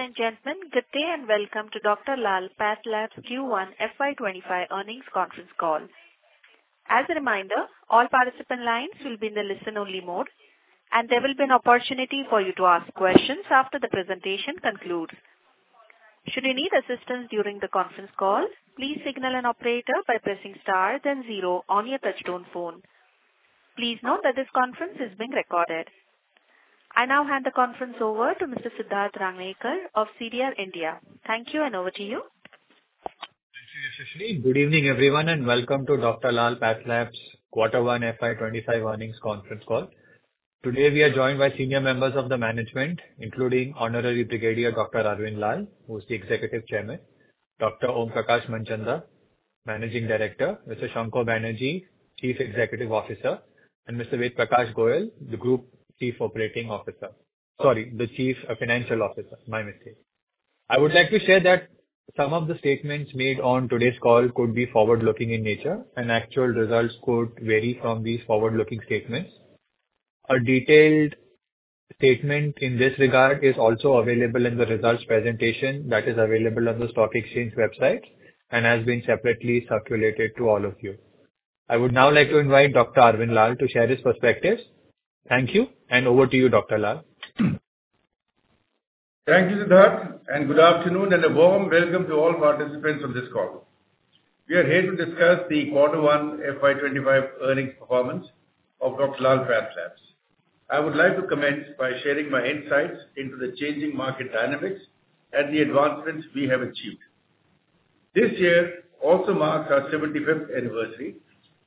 Ladies and gentlemen, good day, and welcome to Dr. Lal PathLabs Q1 FY 2025 Earnings Conference Call. As a reminder, all participant lines will be in the listen-only mode, and there will be an opportunity for you to ask questions after the presentation concludes. Should you need assistance during the conference call, please signal an operator by pressing star, then zero on your touchtone phone. Please note that this conference is being recorded. I now hand the conference over to Mr. Siddharth Rangnekar of CDR India. Thank you, and over to you. Good evening, everyone, and welcome to Dr. Lal PathLabs Q1 FY 2025 earnings conference call. Today, we are joined by senior members of the management, including Honorary Brigadier Dr. Arvind Lal, who is the Executive Chairman, Dr. Om Prakash Manchanda, Managing Director, Mr. Shankha Banerjee, Chief Executive Officer, and Mr. Ved Prakash Goel, the Group Chief Financial Officer. Sorry. My mistake. I would like to share that some of the statements made on today's call could be forward-looking in nature, and actual results could vary from these forward-looking statements. A detailed statement in this regard is also available in the results presentation that is available on the stock exchange website and has been separately circulated to all of you. I would now like to invite Dr. Arvind Lal to share his perspectives. Thank you, and over to you, Dr. Lal. Thank you, Siddharth, and good afternoon, and a warm welcome to all participants of this call. We are here to discuss the Q1 FY 2025 earnings performance of Dr. Lal PathLabs. I would like to commence by sharing my insights into the changing market dynamics and the advancements we have achieved. This year also marks our 75th anniversary,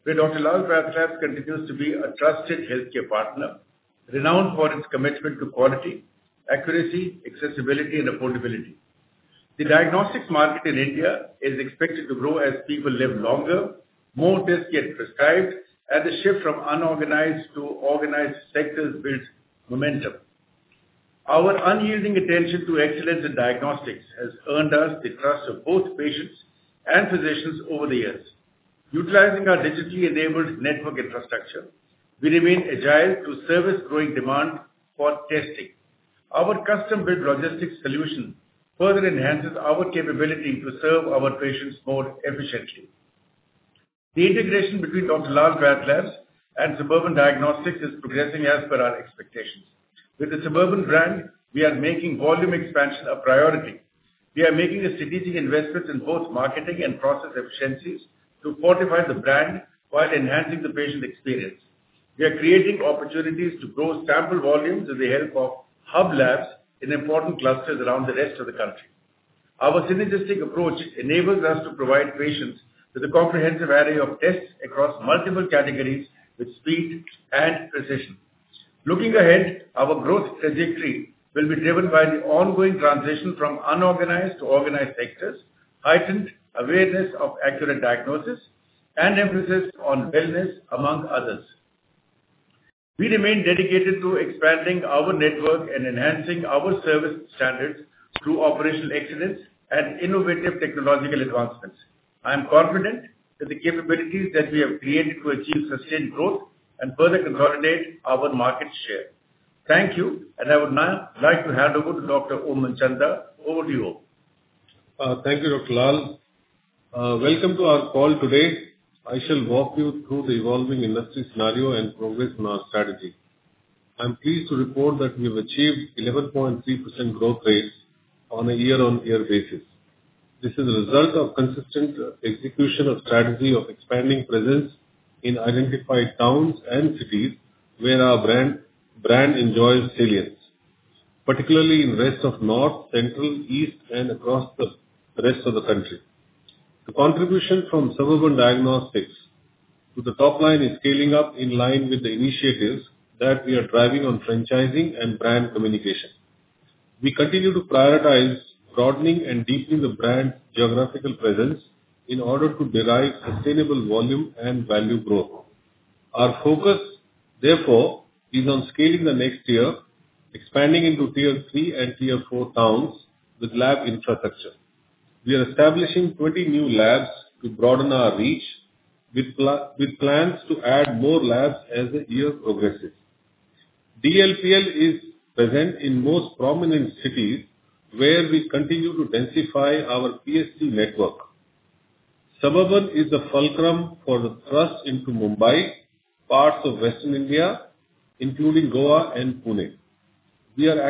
where Dr. Lal PathLabs continues to be a trusted healthcare partner, renowned for its commitment to quality, accuracy, accessibility and affordability. The diagnostics market in India is expected to grow as people live longer, more tests get prescribed, and the shift from unorganized to organized sectors builds momentum. Our unyielding attention to excellence in diagnostics has earned us the trust of both patients and physicians over the years. Utilizing our digitally enabled network infrastructure, we remain agile to service growing demand for testing. Our custom-built logistics solution further enhances our capability to serve our patients more efficiently. The integration between Dr. Lal PathLabs and Suburban Diagnostics is progressing as per our expectations. With the Suburban brand, we are making volume expansion a priority. We are making a strategic investment in both marketing and process efficiencies to fortify the brand while enhancing the patient experience. We are creating opportunities to grow sample volumes with the help of hub labs in important clusters around the rest of the country. Our synergistic approach enables us to provide patients with a comprehensive array of tests across multiple categories with speed and precision. Looking ahead, our growth trajectory will be driven by the ongoing transition from unorganized to organized sectors, heightened awareness of accurate diagnosis, and emphasis on wellness, among others. We remain dedicated to expanding our network and enhancing our service standards through operational excellence and innovative technological advancements. I am confident that the capabilities that we have created to achieve sustained growth and further consolidate our market share. Thank you, and I would now like to hand over to Dr. Om Manchanda. Over to you, Om. Thank you, Dr. Lal. Welcome to our call today. I shall walk you through the evolving industry scenario and progress on our strategy. I'm pleased to report that we have achieved 11.3% growth rate on a year-on-year basis. This is a result of consistent execution of strategy of expanding presence in identified towns and cities where our brand, brand enjoys salience, particularly in rest of North, Central, East and across the rest of the country. The contribution from Suburban Diagnostics to the top line is scaling up in line with the initiatives that we are driving on franchising and brand communication. We continue to prioritize broadening and deepening the brand geographical presence in order to derive sustainable volume and value growth. Our focus, therefore, is on scaling the next year, expanding into Tier three and Tier four towns with lab infrastructure. We are establishing 20 new labs to broaden our reach, with plans to add more labs as the year progresses. DLPL is present in most prominent cities, where we continue to densify our PSC network. Suburban is the fulcrum for the thrust into Mumbai, parts of Western India, including Goa and Pune. We are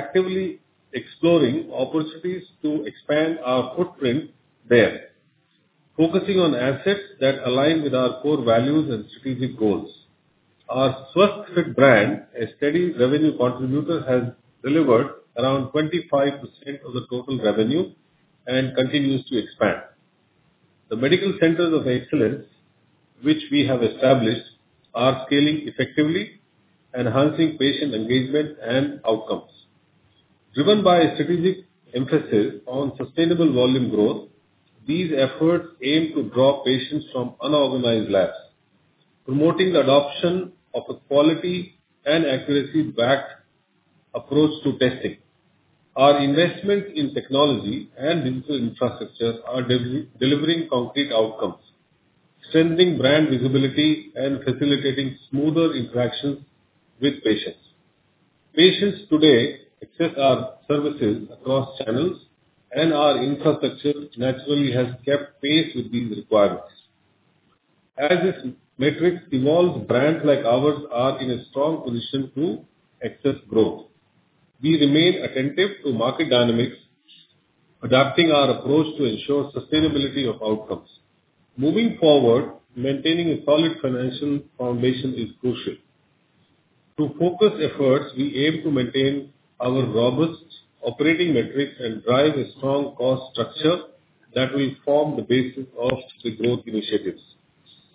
actively exploring opportunities to expand our footprint there, focusing on assets that align with our core values and strategic goals. Our first direct brand, a steady revenue contributor, has delivered around 25% of the total revenue and continues to expand. The Medical Centres of Excellence, which we have established, are scaling effectively, enhancing patient engagement and outcomes. Driven by a strategic emphasis on sustainable volume growth, these efforts aim to draw patients from unorganized labs, promoting the adoption of a quality and accuracy-backed approach to testing. Our investment in technology and into infrastructure are delivering concrete outcomes... strengthening brand visibility and facilitating smoother interactions with patients. Patients today access our services across channels, and our infrastructure naturally has kept pace with these requirements. As this matrix evolves, brands like ours are in a strong position to access growth. We remain attentive to market dynamics, adapting our approach to ensure sustainability of outcomes. Moving forward, maintaining a solid financial foundation is crucial. To focus efforts, we aim to maintain our robust operating metrics and drive a strong cost structure that will form the basis of the growth initiatives.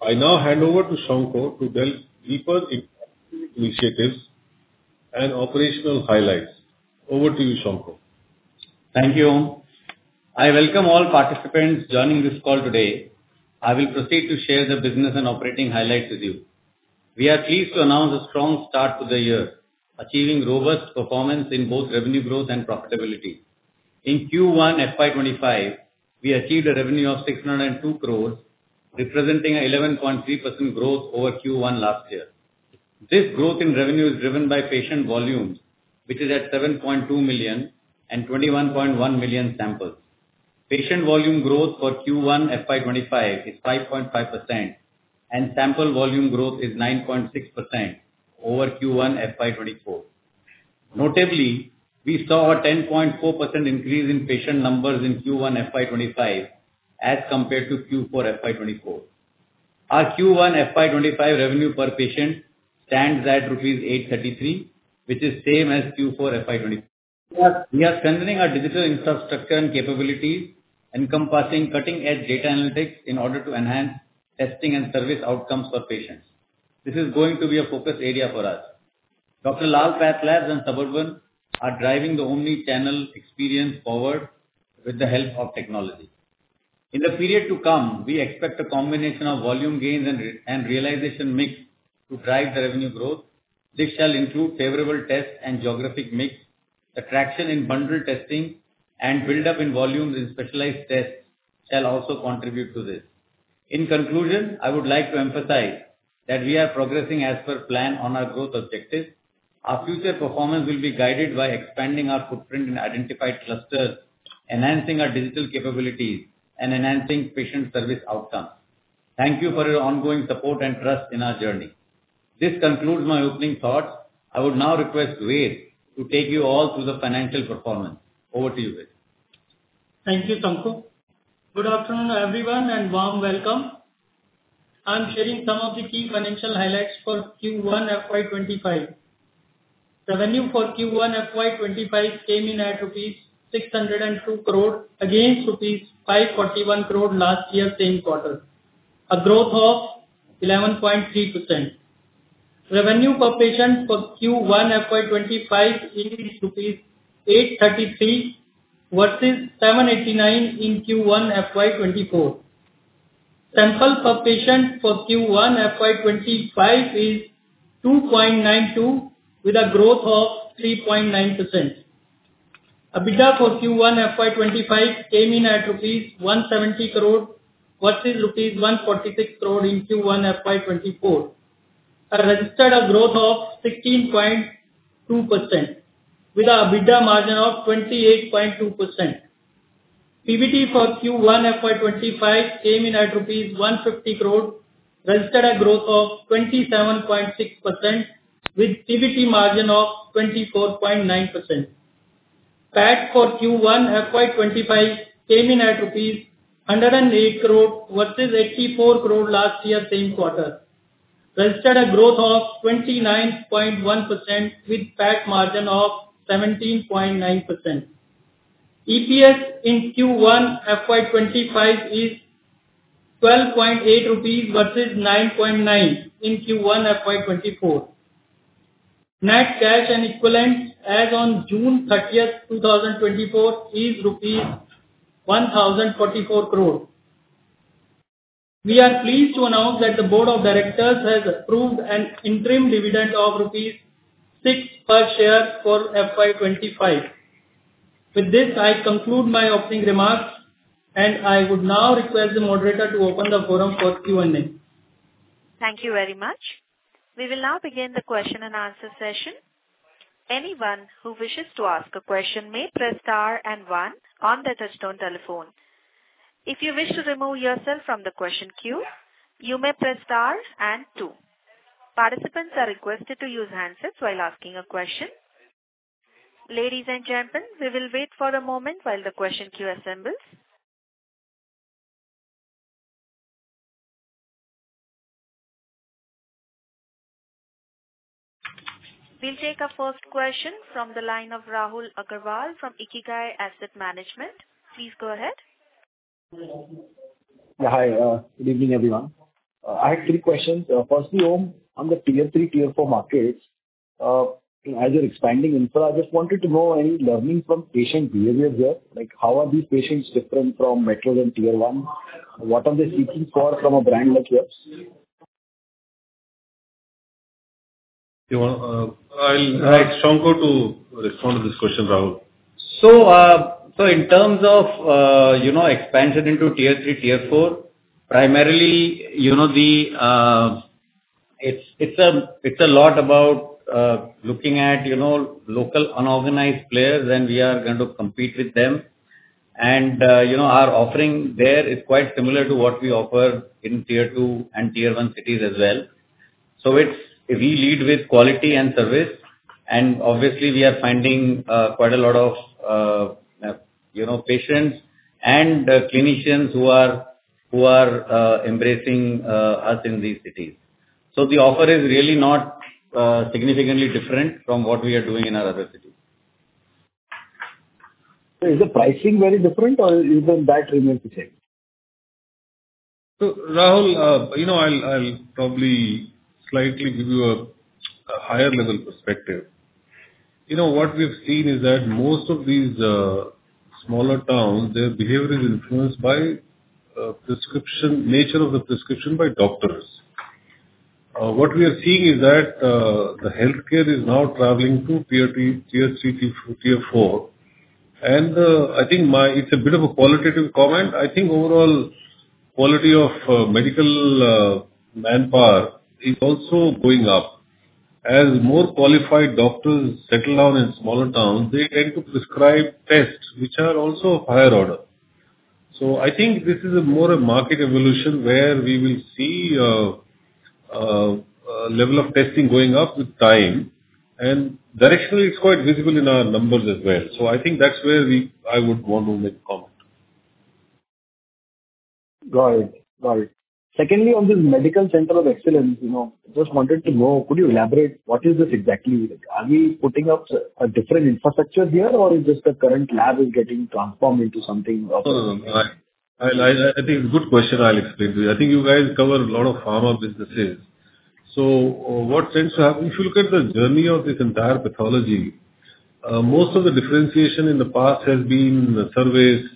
I now hand over to Shankha to delve deeper into initiatives and operational highlights. Over to you, Shankha. Thank you. I welcome all participants joining this call today. I will proceed to share the business and operating highlights with you. We are pleased to announce a strong start to the year, achieving robust performance in both revenue growth and profitability. In Q1 FY 2025, we achieved a revenue of 602 crore, representing 11.3% growth over Q1 last year. This growth in revenue is driven by patient volumes, which is at 7.2 million and 21.1 million samples. Patient volume growth for Q1 FY 2025 is 5.5%, and sample volume growth is 9.6% over Q1 FY 2024. Notably, we saw a 10.4% increase in patient numbers in Q1 FY 2025 as compared to Q4 FY 2024. Our Q1 FY 2025 revenue per patient stands at rupees 833, which is same as Q4 FY 2024. We are strengthening our digital infrastructure and capabilities, encompassing cutting-edge data analytics in order to enhance testing and service outcomes for patients. This is going to be a focus area for us. Dr. Lal PathLabs and Suburban are driving the omni-channel experience forward with the help of technology. In the period to come, we expect a combination of volume gains and revenue and realization mix to drive the revenue growth. This shall include favorable test and geographic mix. Attraction in bundled testing and buildup in volumes in specialized tests shall also contribute to this. In conclusion, I would like to emphasize that we are progressing as per plan on our growth objectives. Our future performance will be guided by expanding our footprint in identified clusters, enhancing our digital capabilities, and enhancing patient service outcomes. Thank you for your ongoing support and trust in our journey. This concludes my opening thoughts. I would now request Ved to take you all through the financial performance. Over to you, Ved. Thank you, Shankha. Good afternoon, everyone, and warm welcome. I'm sharing some of the key financial highlights for Q1 FY 2025. Revenue for Q1 FY 2025 came in at INR 602 crore, against INR 541 crore last year, same quarter, a growth of 11.3%. Revenue per patient for Q1 FY 2025 is INR 833 versus INR 789 in Q1 FY 2024. Samples per patient for Q1 FY 2025 is 2.92, with a growth of 3.9%. EBITDA for Q1 FY 2025 came in at rupees 170 crore versus rupees 146 crore in Q1 FY 2024, and registered a growth of 16.2%, with a EBITDA margin of 28.2%. PBT for Q1 FY 2025 came in at rupees 150 crore, registered a growth of 27.6% with PBT margin of 24.9%. PAT for Q1 FY 2025 came in at INR 108 crore versus INR 84 crore last year, same quarter, registered a growth of 29.1% with PAT margin of 17.9%. EPS in Q1 FY 2025 is INR 12.8 versus INR 9.9 in Q1 FY 2024. Net cash and equivalents as on June thirtieth, 2024, is rupees 1,044 crore. We are pleased to announce that the board of directors has approved an interim dividend of rupees 6 per share for FY 2025. With this, I conclude my opening remarks, and I would now request the moderator to open the forum for Q&A. Thank you very much. We will now begin the question-and-answer session. Anyone who wishes to ask a question may press star and one on their touchtone telephone. If you wish to remove yourself from the question queue, you may press star and two. Participants are requested to use handsets while asking a question. Ladies and gentlemen, we will wait for a moment while the question queue assembles. We'll take our first question from the line of Rahul Aggarwal from Ikigai Asset Management. Please go ahead. Hi, good evening, everyone. I have three questions. Firstly, Om, on the Tier three, Tier four markets, as you're expanding infra, I just wanted to know, any learning from patient behaviors there? Like, how are these patients different from metro and Tier one? What are they seeking for from a brand like yours?... You want, I'll ask Shankha to respond to this question, Rahul. So, so in terms of, you know, expansion into Tier three, Tier four, primarily, you know, the... It's a lot about looking at, you know, local unorganized players, and we are going to compete with them. And, you know, our offering there is quite similar to what we offer in Tier two and Tier one cities as well. So it's, we lead with quality and service, and obviously we are finding quite a lot of, you know, patients and clinicians who are embracing us in these cities. So the offer is really not significantly different from what we are doing in our other cities. Is the pricing very different or even that remains the same? So, Rahul, you know, I'll probably slightly give you a higher level perspective. You know, what we've seen is that most of these smaller towns, their behavior is influenced by prescription, nature of the prescription by doctors. What we are seeing is that the healthcare is now traveling to Tier three, Tier three, Tier four. And I think my... It's a bit of a qualitative comment. I think overall quality of medical manpower is also going up. As more qualified doctors settle down in smaller towns, they tend to prescribe tests which are also of higher order. So I think this is a more, a market evolution, where we will see a level of testing going up with time, and directionally it's quite visible in our numbers as well. So I think that's where I would want to make comment. Got it. Got it. Secondly, on this Medical Center of Excellence, you know, just wanted to know, could you elaborate, what is this exactly? Are we putting up a different infrastructure here, or is just the current lab is getting transformed into something else? No, no, I think it's a good question. I'll explain to you. I think you guys cover a lot of pharma businesses. So, what tends to happen, if you look at the journey of this entire pathology, most of the differentiation in the past has been service,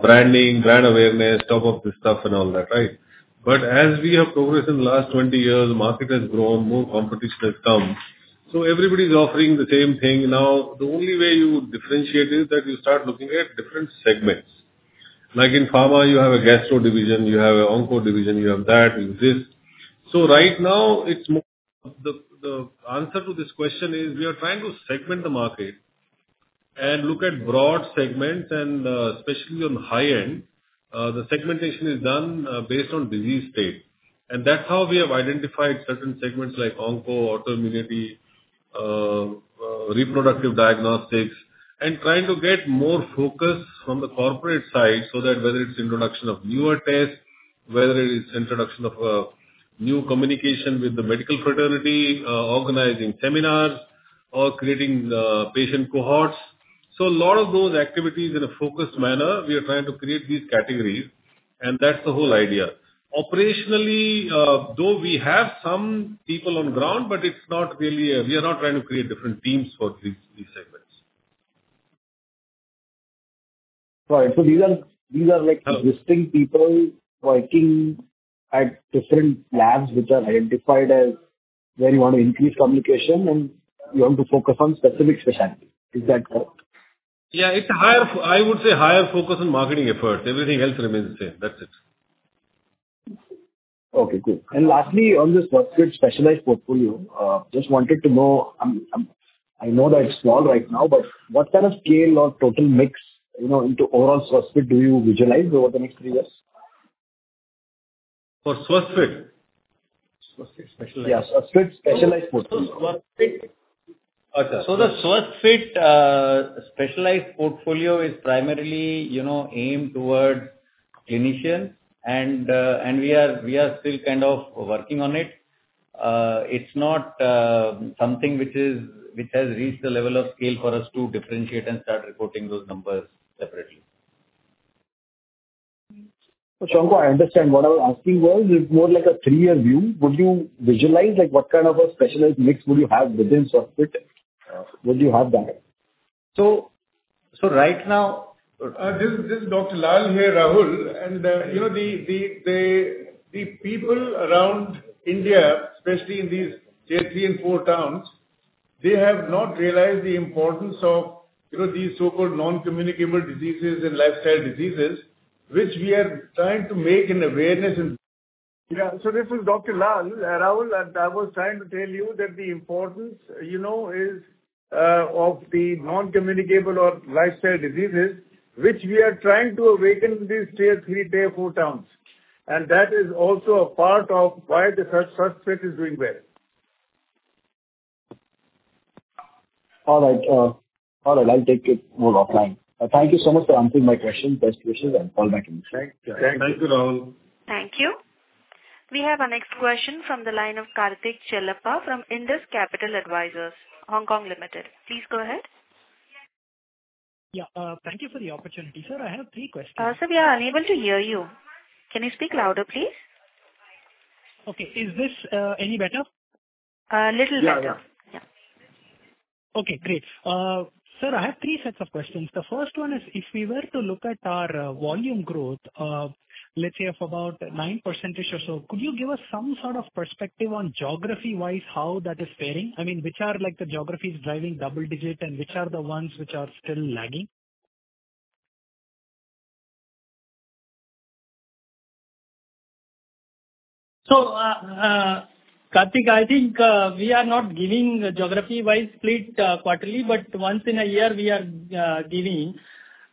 branding, brand awareness, top of the stuff and all that, right? But as we have progressed in the last 20 years, the market has grown, more competition has come, so everybody's offering the same thing now. The only way you differentiate is that you start looking at different segments. Like in pharma, you have a gastro division, you have an onco division, you have that, you have this. So right now, it's more... The answer to this question is, we are trying to segment the market and look at broad segments. Especially on the high end, the segmentation is done based on disease state. That's how we have identified certain segments like onco, autoimmunity, reproductive diagnostics, and trying to get more focus from the corporate side, so that whether it's introduction of newer tests, whether it is introduction of new communication with the medical fraternity, organizing seminars or creating patient cohorts. A lot of those activities in a focused manner, we are trying to create these categories, and that's the whole idea. Operationally, though we have some people on ground, but it's not really, we are not trying to create different teams for these, these segments. Right. So these are, these are like existing people working at different labs, which are identified as where you want to increase communication and you want to focus on specific specialty. Is that correct? Yeah, it's higher. I would say higher focus on marketing efforts. Everything else remains the same. That's it. Okay, cool. And lastly, on this Swasthfit specialized portfolio, just wanted to know, I know that it's small right now, but what kind of scale or total mix, you know, into overall Swasthfit do you visualize over the next three years? For Swasthfit? Swasthfit, specialized. Yeah, Swasthfit, specialized portfolio. So the Swasthfit, specialized portfolio is primarily, you know, aimed towards clinicians, and, and we are, we are still kind of working on it. It's not something which has reached the level of scale for us to differentiate and start reporting those numbers separately. So Shankar, I understand. What I was asking was, is more like a three-year view. Would you visualize, like, what kind of a specialized mix would you have within Swasthfit? Would you have that? So, right now- This is Dr. Lal here, Rahul. You know, the people around India, especially in these Tier 3 and 4 towns, they have not realized the importance of, you know, these so-called non-communicable diseases and lifestyle diseases, which we are trying to make an awareness in. Yeah. So this is Dr. Lal. Rahul, I was trying to tell you that the importance, you know, is of the non-communicable or lifestyle diseases, which we are trying to awaken these Tier 3, Tier 4 towns. And that is also a part of why the Swasthfit is doing well. All right, all right, I'll take it more offline. Thank you so much for answering my question. Best wishes and call back in the future. Thank you, Rahul. Thank you. We have our next question from the line of Kartik Chellappa from Indus Capital Advisors, Hong Kong Limited. Please go ahead. Yeah, thank you for the opportunity. Sir, I have three questions. Sir, we are unable to hear you. Can you speak louder, please? Okay. Is this any better? Little better.... Okay, great. Sir, I have three sets of questions. The first one is: If we were to look at our volume growth, let's say of about 9% or so, could you give us some sort of perspective on geography-wise, how that is faring? I mean, which are like the geographies driving double-digit, and which are the ones which are still lagging? So, Kartik, I think we are not giving geography-wise split quarterly, but once in a year, we are giving.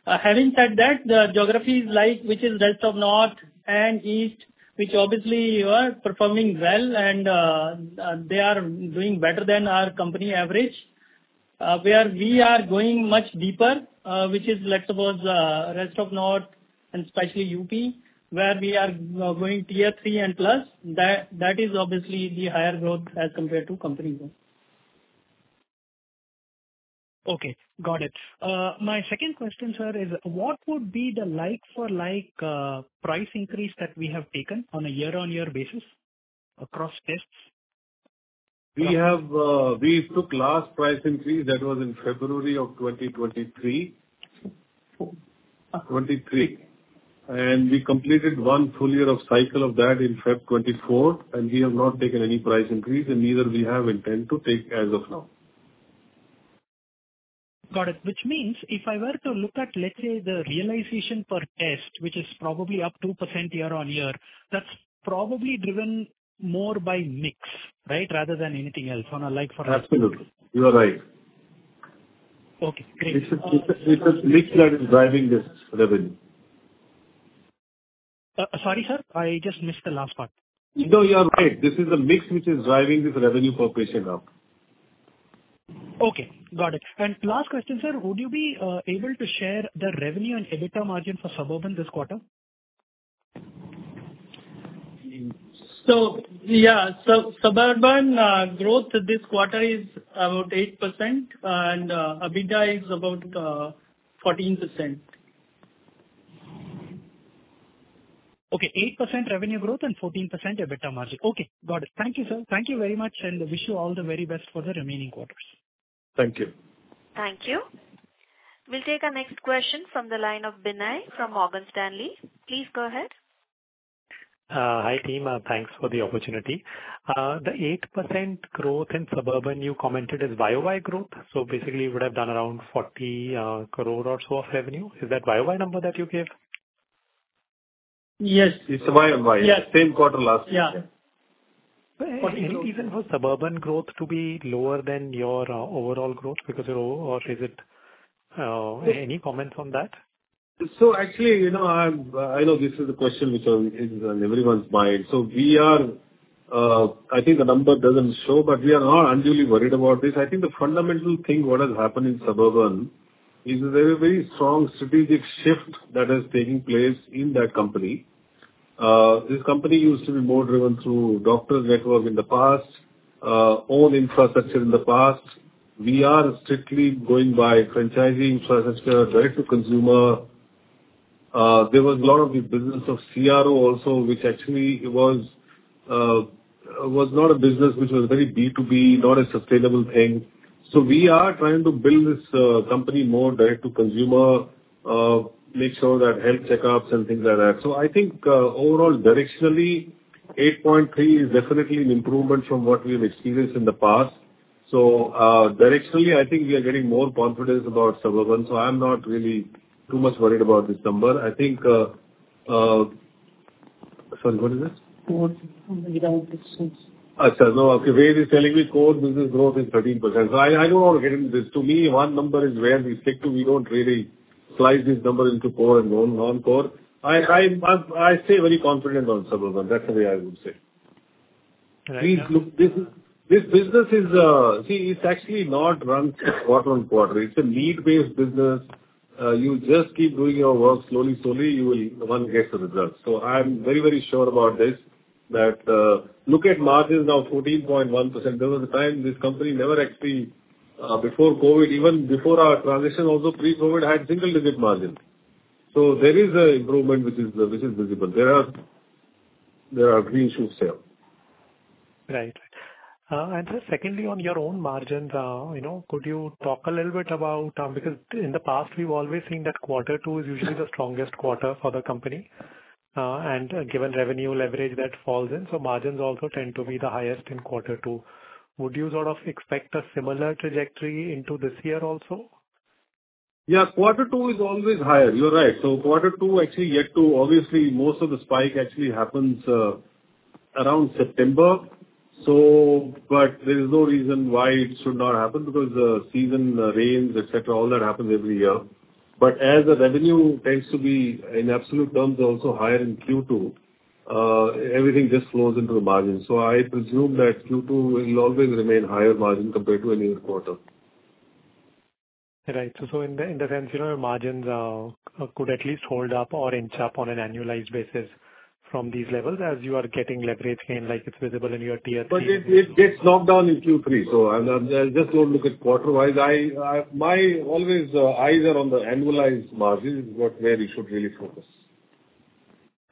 Having said that, the geographies like which is rest of North and East, which obviously are performing well and they are doing better than our company average. Where we are going much deeper, which is, let's suppose, rest of North and especially UP, where we are going Tier 3 and plus, that, that is obviously the higher growth as compared to company growth. Okay, got it. My second question, sir, is what would be the like-for-like price increase that we have taken on a year-on-year basis across tests? We have, we took last price increase, that was in February of 2023. 23. And we completed one full year of cycle of that in February 2024, and we have not taken any price increase and neither we have intent to take as of now. Got it. Which means if I were to look at, let's say, the realization per test, which is probably up 2% year-on-year, that's probably driven more by mix, right? Rather than anything else on a like-for-like absolutely. You are right. Okay, great. It is mix that is driving this revenue. Sorry, sir, I just missed the last part. No, you are right. This is a mix which is driving this revenue per patient now. Okay, got it. Last question, sir. Would you be able to share the revenue and EBITDA margin for Suburban this quarter? Yeah. So, Suburban growth this quarter is about 8%, and EBITDA is about 14%. Okay, 8% revenue growth and 14% EBITDA margin. Okay, got it. Thank you, sir. Thank you very much, and wish you all the very best for the remaining quarters. Thank you. Thank you. We'll take our next question from the line of Binay from Morgan Stanley. Please go ahead. Hi, team. Thanks for the opportunity. The 8% growth in Suburban, you commented, is YOY growth? So basically you would have done around 40 crore or so of revenue. Is that YOY number that you gave? Yes. It's YOY. Yes. Same quarter last year. Yeah. Any reason for Suburban growth to be lower than your overall growth, because you're... Or is it any comments on that? So actually, you know, I'm, I know this is a question which is on everyone's mind. So we are, I think the number doesn't show, but we are not unduly worried about this. I think the fundamental thing, what has happened in Suburban is there's a very strong strategic shift that is taking place in that company. This company used to be more driven through doctor network in the past, own infrastructure in the past. We are strictly going by franchising infrastructure, direct to consumer. There was a lot of the business of CRO also, which actually was, was not a business, which was very B2B, not a sustainable thing. So we are trying to build this, company more direct to consumer, make sure that health checkups and things like that. So I think, overall, directionally, 8.3 is definitely an improvement from what we've experienced in the past. So, directionally, I think we are getting more confidence about Suburban, so I'm not really too much worried about this number. I think... Sorry, what is it? More from the growth, please. I said, no, okay, Ved is telling me core business growth is 13%. So I, I don't want to get into this. To me, one number is where we stick to. We don't really slice this number into core and non, non-core. I, I, I, I stay very confident on Suburban. That's the way I would say. Right. This business is, uh... see, it's actually not run quarter-on-quarter. It's a need-based business. Uh, you just keep doing your work slowly, slowly, you will one get the results. So I'm very, very sure about this, that, look at margins now, 14.1%. There was a time this company never actually, before COVID, even before our transition, also pre-COVID, had single-digit margins. So there is a improvement which is visible. There are green shoots here. Right. And just secondly, on your own margins, you know, could you talk a little bit about, because in the past we've always seen that quarter two is usually the strongest quarter for the company. And given revenue leverage that falls in, so margins also tend to be the highest in quarter two. Would you sort of expect a similar trajectory into this year also? Yeah, quarter two is always higher. You're right. So quarter two, actually, yet to obviously, most of the spike actually happens around September. So, but there is no reason why it should not happen because the season, the rains, et cetera, all that happens every year. But as the revenue tends to be in absolute terms, also higher in Q2, everything just flows into the margin. So I presume that Q2 will always remain higher margin compared to any other quarter. Right. So in the sense, you know, margins could at least hold up or inch up on an annualized basis from these levels as you are getting leverage gain, like it's visible in your Tier 3. But it gets knocked down in Q3. So I just don't look at quarter-wise. My always eyes are on the annualized margin. This is where you should really focus. ...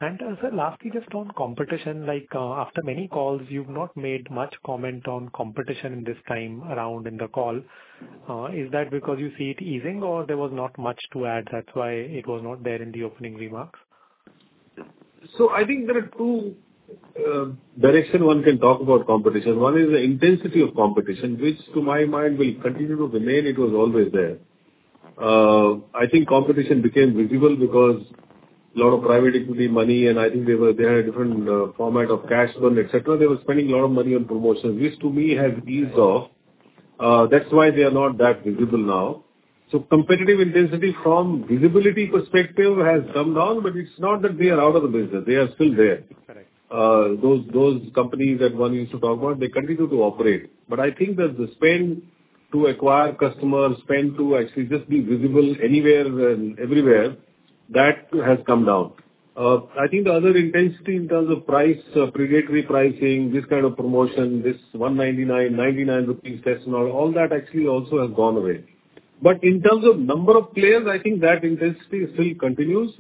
sir, lastly, just on competition, like, after many calls, you've not made much comment on competition this time around in the call. Is that because you see it easing or there was not much to add, that's why it was not there in the opening remarks? So I think there are two directions one can talk about competition. One is the intensity of competition, which to my mind will continue to remain. It was always there. I think competition became visible because a lot of private equity money, and I think they had a different format of cash burn, et cetera. They were spending a lot of money on promotion, which to me has eased off. That's why they are not that visible now. So competitive intensity from visibility perspective has come down, but it's not that they are out of the business. They are still there. Correct. Those, those companies that one used to talk about, they continue to operate. But I think that the spend to acquire customers, spend to actually just be visible anywhere and everywhere, that has come down. I think the other intensity in terms of price, predatory pricing, this kind of promotion, this 199, 99 rupees test and all, all that actually also has gone away. But in terms of number of players, I think that intensity still continues.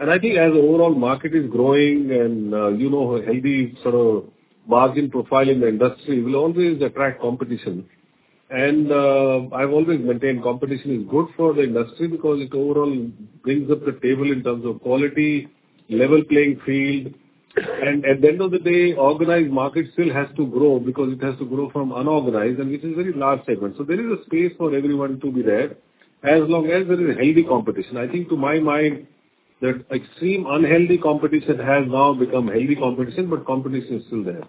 And I think as the overall market is growing and, you know, a healthy sort of margin profile in the industry will always attract competition. And, I've always maintained competition is good for the industry because it overall brings up the table in terms of quality, level playing field. At the end of the day, organized market still has to grow because it has to grow from unorganized, and it is a very large segment. There is a space for everyone to be there, as long as there is healthy competition. I think to my mind, that extreme unhealthy competition has now become healthy competition, but competition is still there.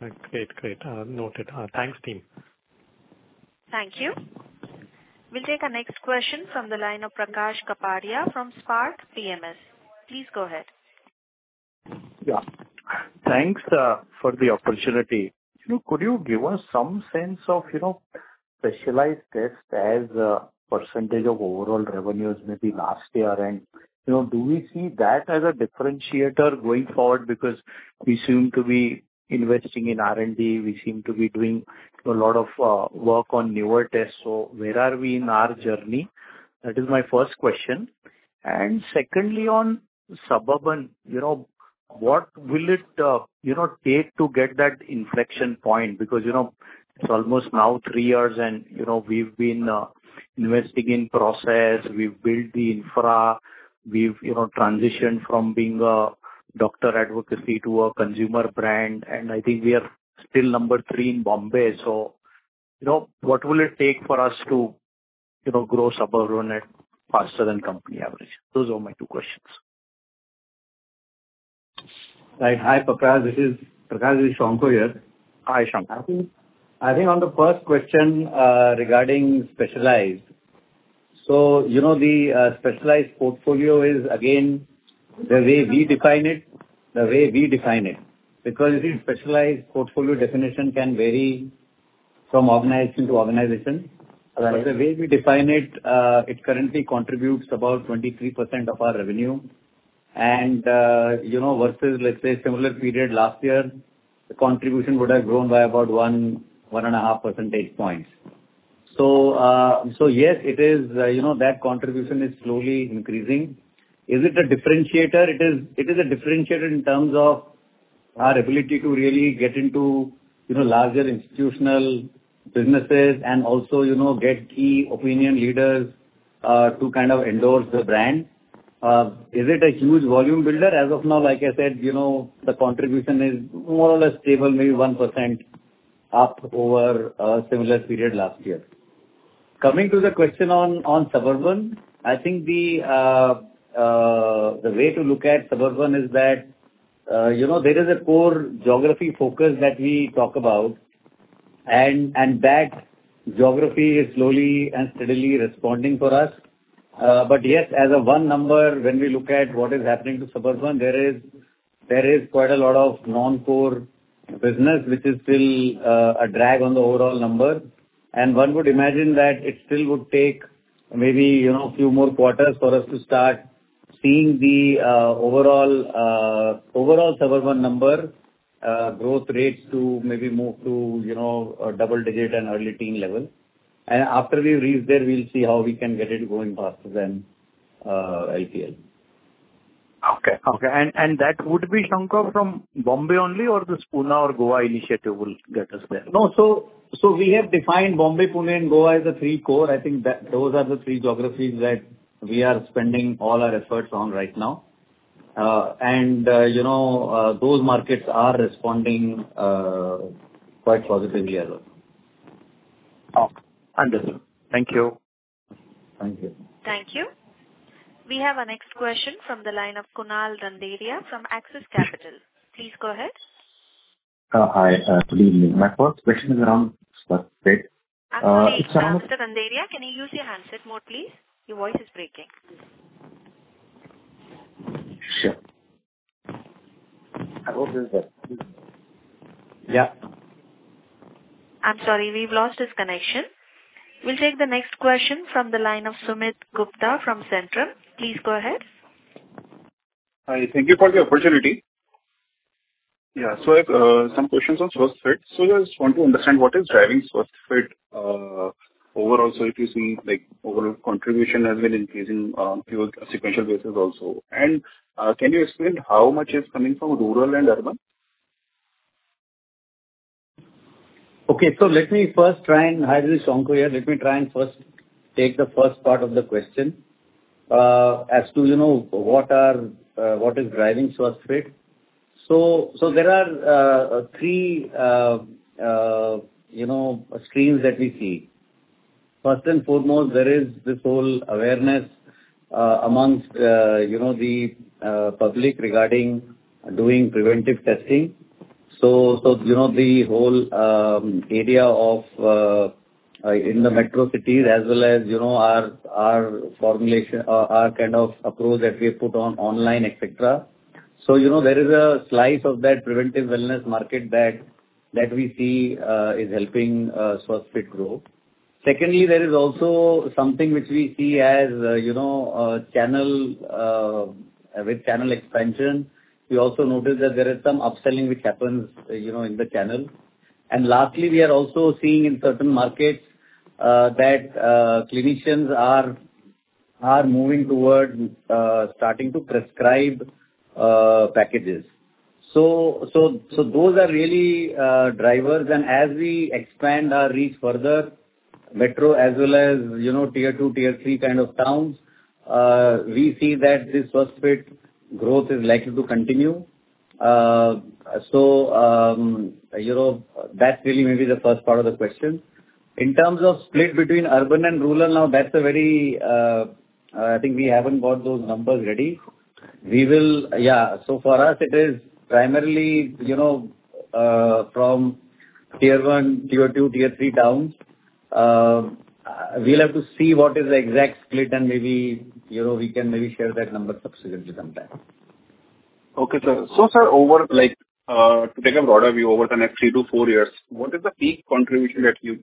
Right. Great, great. Noted. Thanks, team. Thank you. We'll take our next question from the line of Prakash Kapadia from Spark PMS. Please go ahead. Yeah. Thanks for the opportunity. You know, could you give us some sense of, you know, specialized tests as a percentage of overall revenues, maybe last year? And, you know, do we see that as a differentiator going forward? Because we seem to be investing in R&D, we seem to be doing a lot of work on newer tests. So where are we in our journey? That is my first question. And secondly, on Suburban, you know, what will it, you know, take to get that inflection point? Because, you know, it's almost now three years and, you know, we've been investing in process, we've built the infra, we've, you know, transitioned from being a doctor advocacy to a consumer brand, and I think we are still number three in Bombay. You know, what will it take for us to, you know, grow Suburban at faster than company average? Those are my two questions. Right. Hi, Prakash. This is Prakash, this is Shankha here. Hi, Shankha. I think on the first question regarding specialized, so you know, the specialized portfolio is again the way we define it. Because this specialized portfolio definition can vary from organization to organization. Right. The way we define it, it currently contributes about 23% of our revenue. You know, versus, let's say, similar period last year, the contribution would have grown by about 1-1.5 percentage points. So, so yes, it is, you know, that contribution is slowly increasing. Is it a differentiator? It is, it is a differentiator in terms of our ability to really get into, you know, larger institutional businesses and also, you know, get key opinion leaders, to kind of endorse the brand. Is it a huge volume builder? As of now, like I said, you know, the contribution is more or less stable, maybe 1% up over a similar period last year. Coming to the question on Suburban, I think the way to look at Suburban is that, you know, there is a core geography focus that we talk about, and that geography is slowly and steadily responding for us. But yes, as a one number, when we look at what is happening to Suburban, there is quite a lot of non-core business, which is still a drag on the overall number. And one would imagine that it still would take maybe, you know, a few more quarters for us to start seeing the overall Suburban number growth rates to maybe move to, you know, a double digit and early teen level. And after we've reached there, we'll see how we can get it going faster than IPL. Okay, and that would be, Shankha, from Mumbai only, or this Pune or Goa initiative will get us there? No. So we have defined Bombay, Pune and Goa as the three core. I think that those are the three geographies that we are spending all our efforts on right now. You know, those markets are responding quite positively as well. Okay. Understood. Thank you. Thank you. Thank you. We have our next question from the line of Kunal Randeria from Axis Capital. Please go ahead. Hi, good evening. My first question is around..., it's- Actually, Mr. Randeria, can you use your handset more, please? Your voice is breaking. Sure. I hope it's better. Yeah. I'm sorry, we've lost his connection. We'll take the next question from the line of Sumit Gupta from Centrum. Please go ahead. Hi, thank you for the opportunity.... Yeah. So I have some questions on Swasthfit. So I just want to understand what is driving Swasthfit, overall, so if you see, like, overall contribution has been increasing, pure sequential basis also. And, can you explain how much is coming from rural and urban? Okay. So let me first try and, hi, this is Shankha here. Let me try and first take the first part of the question, as to, you know, what are, what is driving Swasthfit. So, there are three, you know, streams that we see. First and foremost, there is this whole awareness amongst, you know, the public regarding doing preventive testing. So, you know, the whole area of in the metro cities as well as, you know, our, our formulation, our kind of approach that we have put on online, et cetera. So, you know, there is a slice of that preventive wellness market that we see is helping Swasthfit grow. Secondly, there is also something which we see as, you know, a channel with channel expansion. We also noticed that there is some upselling which happens, you know, in the channel. And lastly, we are also seeing in certain markets, that clinicians are moving towards starting to prescribe packages. So those are really drivers. And as we expand our reach further, metro as well as, you know, tier two, tier three kind of towns, we see that this Swasthfit growth is likely to continue. So, you know, that really may be the first part of the question. In terms of split between urban and rural, now, that's a very, I think we haven't got those numbers ready. We will... Yeah, so for us it is primarily, you know, from tier one, tier two, tier three towns. We'll have to see what is the exact split, and maybe, you know, we can maybe share that number subsequently sometime. Okay, sir. So, sir, over, like, to take a broader view, over the next 3-4 years, what is the peak contribution that you,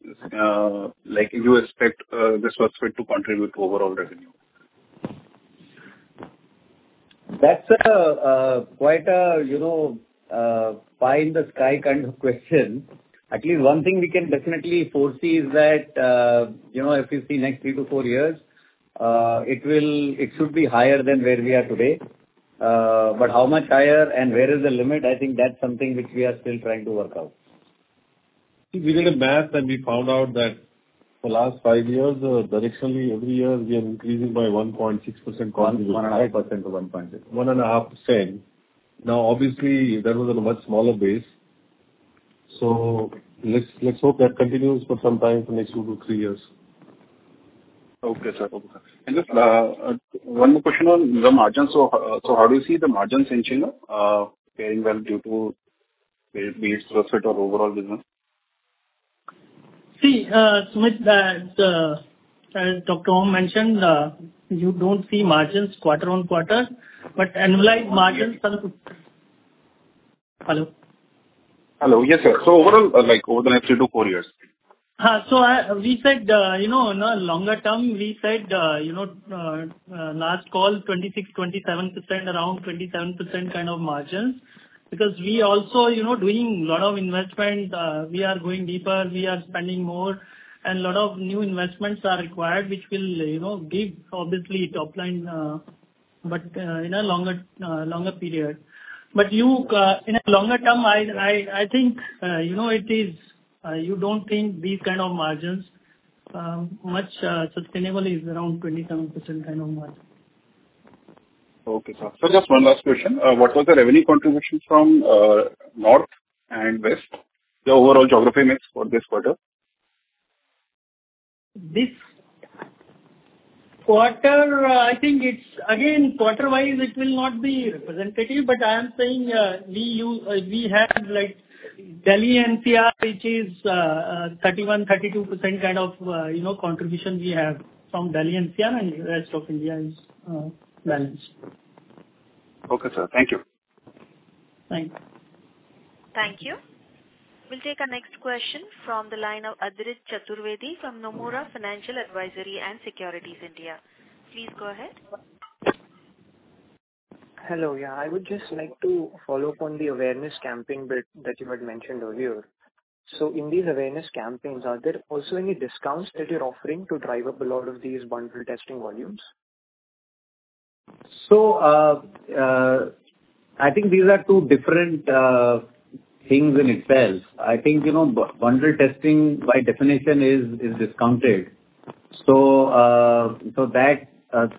like, you expect, this Swasthfit to contribute to overall revenue? That's a quite a, you know, pie-in-the-sky kind of question. At least one thing we can definitely foresee is that, you know, if you see next 3 to 4 years, it should be higher than where we are today. But how much higher and where is the limit? I think that's something which we are still trying to work out. We did a math, and we found out that the last 5 years, directionally, every year we are increasing by 1.6%- One, 1 and a half percent to 1.6. One and a half percent. Now, obviously, that was on a much smaller base, so let's hope that continues for some time for next 2 to 3 years. Okay, sir. Okay. And just one more question on the margins. So, so how do you see the margins in general faring well due to, be it Swasthfit or overall business? See, Sumit, that, as Dr. Om mentioned, you don't see margins quarter-over-quarter, but annualized margins are... Hello? Hello. Yes, sir. So overall, like, over the next 2-4 years. So we said, you know, in a longer term, we said, you know, last call, 26-27%, around 27% kind of margins. Because we also, you know, doing a lot of investment, we are going deeper, we are spending more, and lot of new investments are required, which will, you know, give obviously top line, but, in a longer, longer period. But you, in a longer term, I think, you know, it is, you don't think these kind of margins, much, sustainable is around 27% kind of margin. Okay, sir. So just one last question. What was the revenue contribution from North and West, the overall geography mix for this quarter? This quarter, I think it's... Again, quarter-wise, it will not be representative, but I am saying, we have, like, Delhi NCR, which is, 31%-32% kind of, you know, contribution we have from Delhi NCR, and rest of India is balance. Okay, sir. Thank you. Thank you. Thank you. We'll take our next question from the line of Adrish Chaturvedi from Nomura Financial Advisory and Securities, India. Please go ahead. Hello. Yeah, I would just like to follow up on the awareness campaign bit that you had mentioned earlier. So in these awareness campaigns, are there also any discounts that you're offering to drive up a lot of these bundled testing volumes? So, I think these are two different things in itself. I think, you know, bundled testing by definition is discounted. So, so that,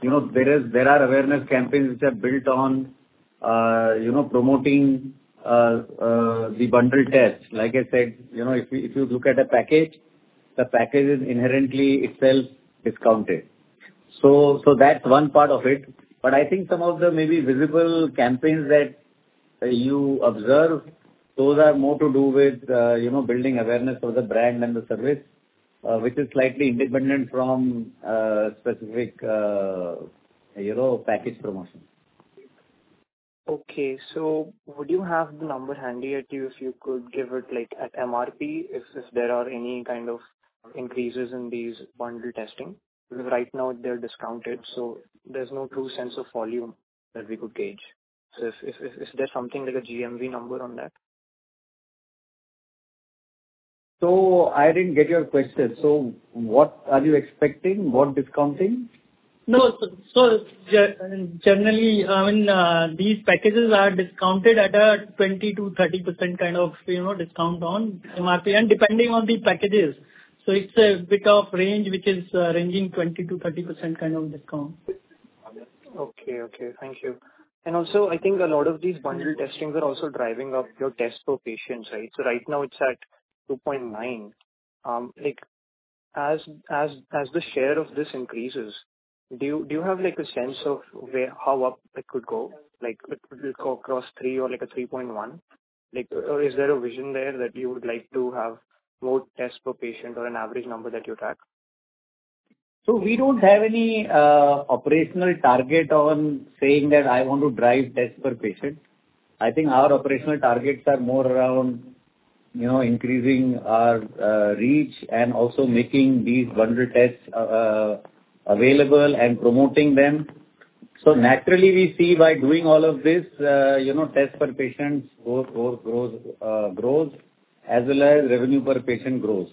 you know, there are awareness campaigns which are built on, you know, promoting the bundled test. Like I said, you know, if you look at a package, the package is inherently itself discounted. So, so that's one part of it. But I think some of the maybe visible campaigns that you observe, those are more to do with, you know, building awareness for the brand and the service, which is slightly independent from specific, you know, package promotion. Okay. So would you have the number handy with you, if you could give it, like, at MRP, if there are any kind of increases in these bundled testing? Because right now they're discounted, so there's no true sense of volume that we could gauge. So is there something like a GMV number on that? So I didn't get your question. So what are you expecting? What discounting? No, generally, I mean, these packages are discounted at a 20%-30% kind of, you know, discount on RPM, depending on the packages. So it's a bit of range, which is ranging 20%-30% kind of discount. Okay, okay. Thank you. And also, I think a lot of these bundled testings are also driving up your test per patient, right? So right now it's at 2.9. Like, as the share of this increases, do you have, like, a sense of where, how up it could go? Like, could it go across three or, like, a 3.1? Like, or is there a vision there that you would like to have more tests per patient or an average number that you track? So we don't have any operational target on saying that I want to drive tests per patient. I think our operational targets are more around, you know, increasing our reach and also making these bundled tests available and promoting them. So naturally, we see by doing all of this, you know, tests per patient grows, as well as revenue per patient grows.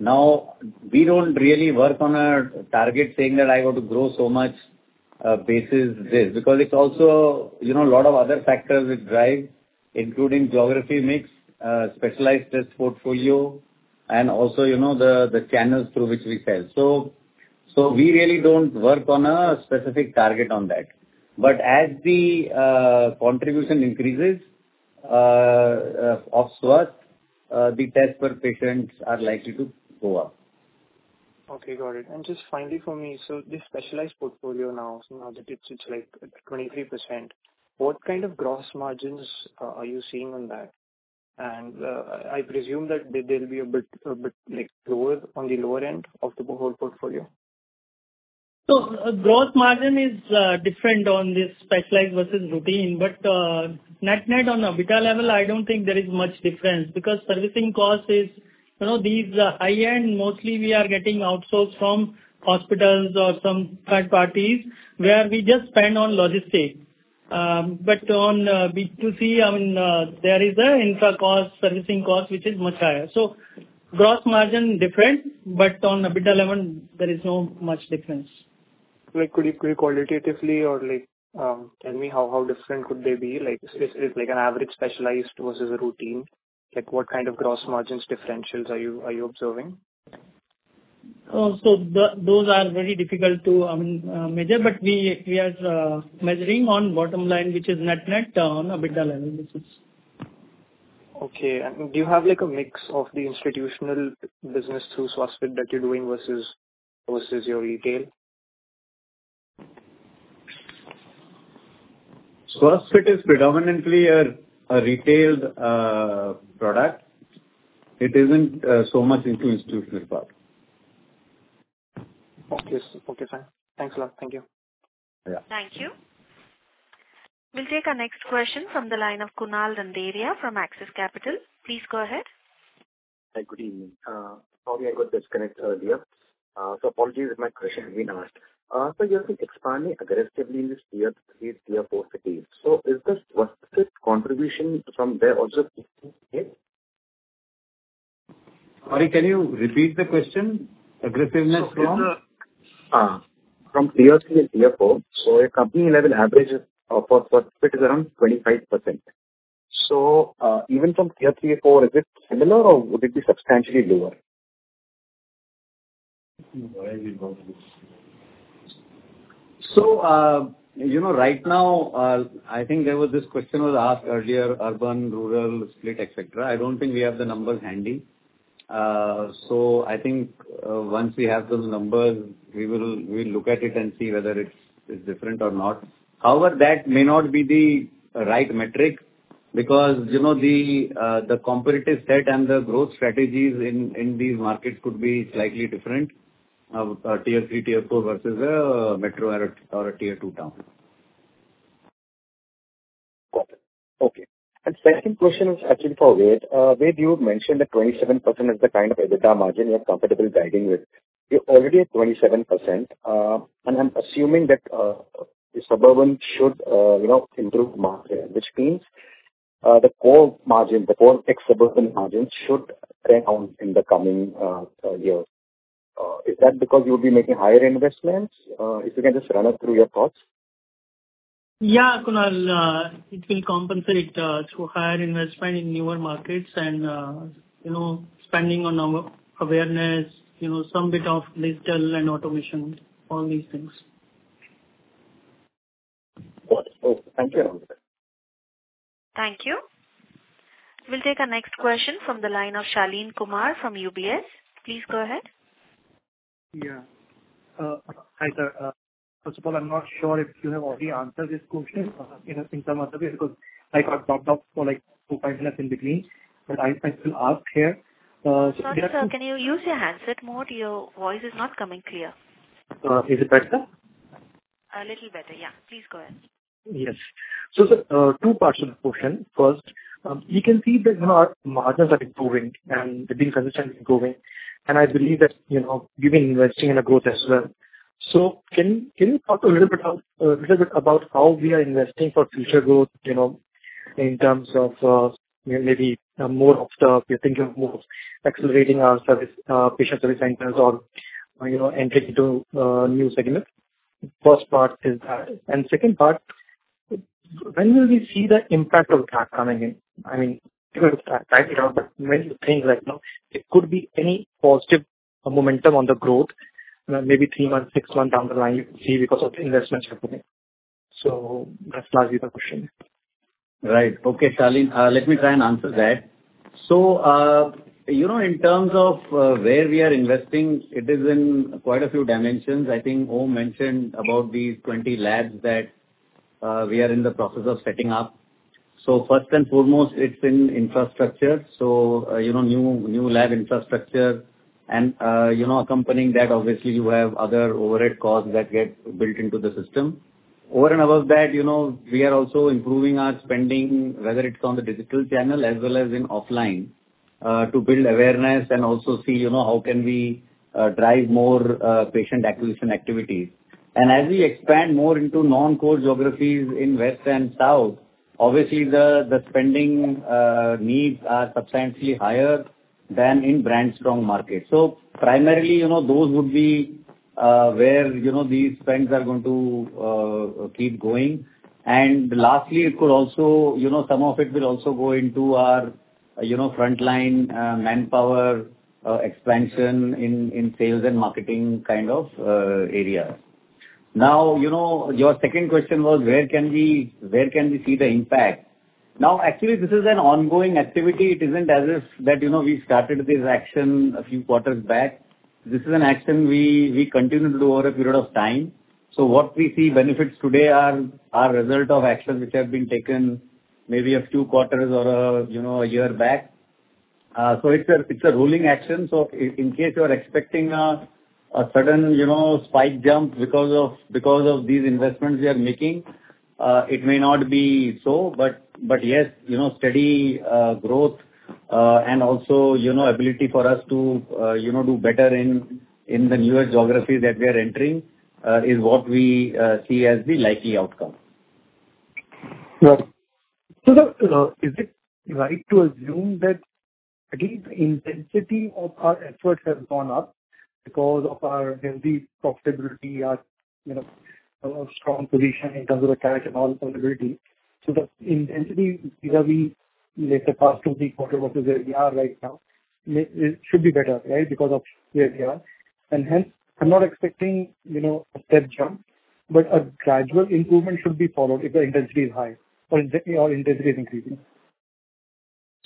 Now, we don't really work on a target saying that I want to grow so much basis this. Because it's also, you know, a lot of other factors which drive, including geography mix, specialized test portfolio, and also, you know, the channels through which we sell. So we really don't work on a specific target on that. As the contribution increases of Swasth, the test per patients are likely to go up. Okay, got it. And just finally for me, so this specialized portfolio now, now that it's, it's like 23%, what kind of gross margins are you seeing on that? And, I presume that they'll be a bit, a bit, like, lower on the lower end of the whole portfolio. So gross margin is different on this specialized versus routine. But net net on an EBITDA level, I don't think there is much difference, because servicing cost is. You know, these are high-end, mostly we are getting outsourced from hospitals or some third parties, where we just spend on logistics. But on B2C, I mean, there is a infra cost, servicing cost, which is much higher. So gross margin different, but on an EBITDA level, there is no much difference. Like, could you qualitatively or, like, tell me how different could they be? Like, if an average specialized versus a routine, like, what kind of gross margins differentials are you observing? So those are very difficult to measure, but we are measuring on bottom line, which is net on a PAT level, which is. Okay. And do you have, like, a mix of the institutional business through Swasthfit that you're doing versus, versus your retail? Swasthfit is predominantly a retail product. It isn't so much into institutional part. Okay. Okay, fine. Thanks a lot. Thank you. Yeah. Thank you. We'll take our next question from the line of Kunal Randeria from Axis Capital. Please go ahead. Hi, good evening. Sorry I got disconnected earlier. So apologies if my question has been asked. So you have been expanding aggressively in this Tier 3, Tier 4 cities. So is this what contribution from there also? Sorry, can you repeat the question? Aggressiveness from- From Tier 3 and Tier 4. So a company level average is, for Swasthfit is around 25%. So, even from Tier 3 or 4, is it similar or would it be substantially lower? So, you know, right now, I think there was this question was asked earlier, urban, rural, split, et cetera. I don't think we have the numbers handy. So I think, once we have those numbers, we'll look at it and see whether it's different or not. However, that may not be the right metric, because, you know, the competitive set and the growth strategies in these markets could be slightly different. Tier 3, Tier 4 versus a metro or a Tier 2 town. Got it. Okay. And second question is actually for Ved. Ved, you mentioned that 27% is the kind of EBITDA margin you're comfortable guiding with. You're already at 27%, and I'm assuming that the Suburban should, you know, improve margin, which means the core margin, the core ex-Suburban margin should trend out in the coming years. Is that because you'll be making higher investments? If you can just run us through your thoughts. Yeah, Kunal, it will compensate through higher investment in newer markets and, you know, spending on our awareness, you know, some bit of digital and automation, all these things. Got it. Oh, thank you. Thank you. We'll take our next question from the line of Shaleen Kumar from UBS. Please go ahead. Yeah. Hi, sir. First of all, I'm not sure if you have already answered this question, you know, in some other way, because I got dropped off for, like, 25 minutes in between, but I, I still ask here. Sorry, sir, can you use your handset mode? Your voice is not coming clear. Is it better? A little better, yeah. Please go ahead. Yes. So, two parts to the question. First, you can see that our margins are improving and they've been consistently improving, and I believe that, you know, you've been investing in the growth as well. So can you talk a little bit how little bit about how we are investing for future growth, you know, in terms of, maybe more of the, you're thinking of more accelerating our service, patient service centers or, you know, entering into, new segments? First part is that. And second part, when will we see the impact of that coming in? I mean, it will track it out, but when you think right now, it could be any positive momentum on the growth, maybe three months, six months down the line, you see because of the investments you're putting. So that's largely the question. Right. Okay, Shaleen, let me try and answer that. So, you know, in terms of where we are investing, it is in quite a few dimensions. I think Om mentioned about these 20 labs that we are in the process of setting up. So first and foremost, it's in infrastructure. So, you know, new, new lab infrastructure and, you know, accompanying that, obviously, you have other overhead costs that get built into the system. Over and above that, you know, we are also improving our spending, whether it's on the digital channel as well as in offline, to build awareness and also see, you know, how can we drive more patient acquisition activities. And as we expand more into non-core geographies in West and South, obviously, the, the spending needs are substantially higher than in brand-strong markets. So primarily, you know, those would be where, you know, these trends are going to keep going. And lastly, it could also, you know, some of it will also go into our, you know, frontline manpower expansion in sales and marketing kind of area. Now, you know, your second question was, where can we, where can we see the impact? Now, actually, this is an ongoing activity. It isn't as if that, you know, we started this action a few quarters back. This is an action we continue to do over a period of time. So what we see benefits today are result of actions which have been taken maybe a few quarters or, you know, a year back. So it's a rolling action. So, in case you are expecting a certain, you know, spike jump because of these investments we are making, it may not be so. But, yes, you know, steady growth, and also, you know, ability for us to do better in the newer geographies that we are entering, is what we see as the likely outcome. Yeah. So the, is it right to assume that, again, the intensity of our efforts have gone up because of our healthy profitability or, you know, a strong position in terms of the cash and all profitability? So the intensity, you know, we look at the past 2, 3 quarters versus where we are right now, it, it should be better, right? Because of where we are. And hence, I'm not expecting, you know, a step jump, but a gradual improvement should be followed if the intensity is high, or exactly our intensity is increasing.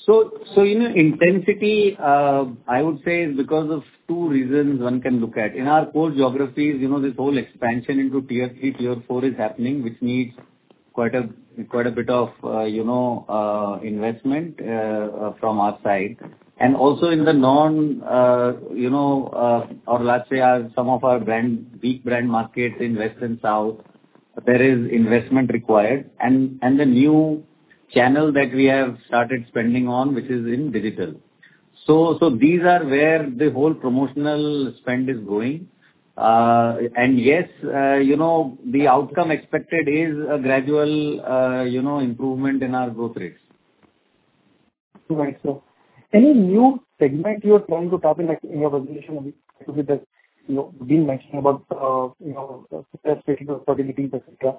So in intensity, I would say because of two reasons one can look at. In our core geographies, you know, this whole expansion into Tier three, Tier four is happening, which needs quite a bit of, you know, investment from our side. And also in the non, you know, or let's say, some of our brand weak brand markets in West and South, there is investment required. And the new channel that we have started spending on, which is in digital. So these are where the whole promotional spend is going. And yes, you know, the outcome expected is a gradual, you know, improvement in our growth rates. Right. So any new segment you are trying to tap in, like, in your observation, could be the, you know, been mentioning about, you know, fertility, et cetera.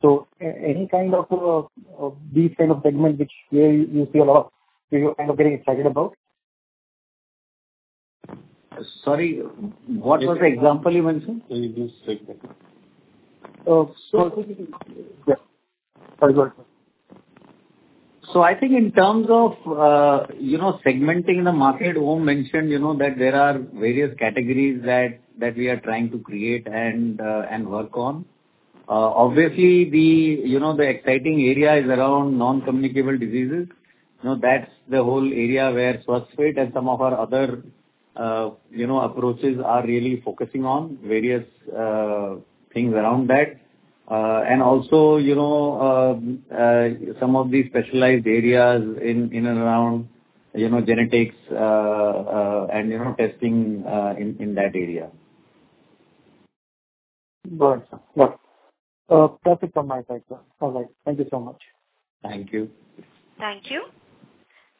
So any kind of these kind of segment which where you see a lot, so you're kind of getting excited about? Sorry, what was the example you mentioned? So... Yeah. Sorry, go ahead. So I think in terms of, you know, segmenting the market, Om mentioned, you know, that there are various categories that, that we are trying to create and, and work on. Obviously, you know, the exciting area is around non-communicable diseases. You know, that's the whole area where Swasthfit and some of our other, you know, approaches are really focusing on various, things around that. And also, you know, some of these specialized areas in, in and around, you know, genetics, and, you know, testing, in, in that area. Got it, sir. Got it. Perfect from my side, sir. All right. Thank you so much. Thank you. Thank you.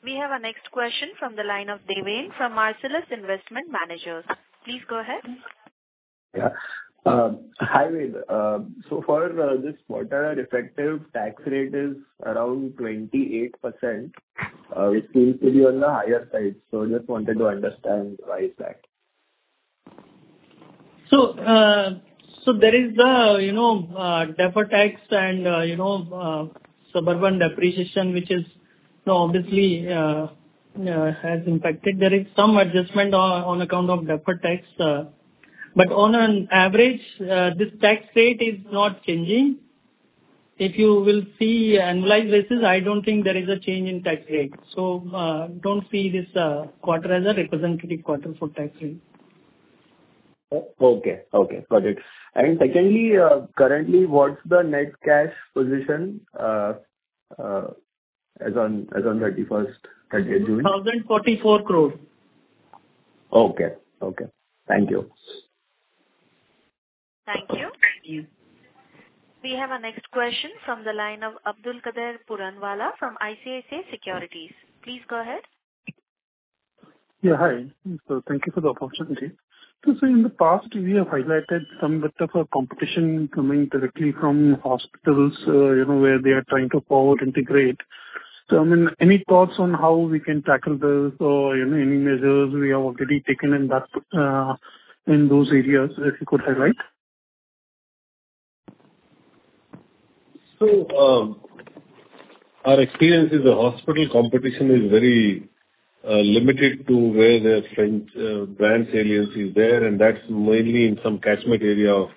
We have our next question from the line of Deven from Marcellus Investment Managers. Please go ahead. Yeah. Hi. So far, this quarter, our effective tax rate is around 28%, which seems to be on the higher side. So just wanted to understand why is that? So, so there is the, you know, deferred tax and, you know, Suburban depreciation, which is, you know, obviously, has impacted. There is some adjustment on account of deferred tax, but on an average, this tax rate is not changing. If you will see, analyze this is, I don't think there is a change in tax rate. So, don't see this quarter as a representative quarter for tax rate. Okay. Okay, got it. And secondly, currently, what's the net cash position?... as on thirty of June? 1,044 crore. Okay, okay. Thank you. Thank you. Thank you. We have our next question from the line of Abdulkader Puranwala from ICICI Securities. Please go ahead. Yeah, hi. So thank you for the opportunity. So, so in the past, we have highlighted some bit of a competition coming directly from hospitals, you know, where they are trying to forward integrate. So, I mean, any thoughts on how we can tackle this or, you know, any measures we have already taken in that, in those areas, if you could highlight? So, our experience is the hospital competition is very limited to where their strength branch presence is there, and that's mainly in some catchment area of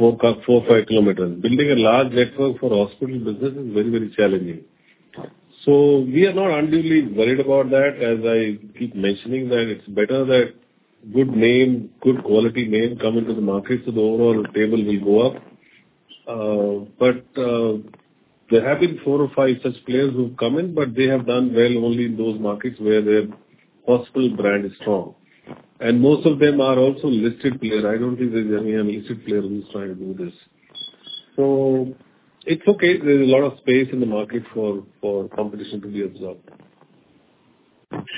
4-5 km. Building a large network for hospital business is very, very challenging. So we are not unduly worried about that. As I keep mentioning, that it's better that good name, good quality name, come into the market, so the overall table will go up. But, there have been 4 or 5 such players who've come in, but they have done well only in those markets where their hospital brand is strong. And most of them are also listed player. I don't think there's any unlisted player who's trying to do this. So it's okay. There's a lot of space in the market for competition to be absorbed.